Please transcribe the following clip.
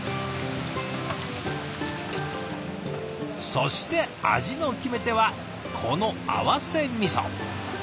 そして味の決め手はこの合わせみそ。